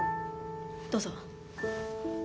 どうぞ。